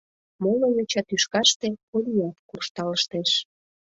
Моло йоча тӱшкаште Полият куржталыштеш.